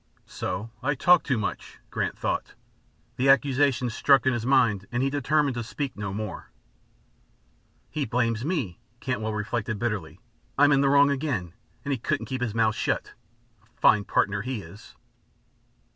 "So! I talk too much," Grant thought. The accusation struck in his mind and he determined to speak no more. "He blames me," Cantwell reflected, bitterly. "I'm in wrong again and he couldn't keep his mouth shut. A fine partner, he is!"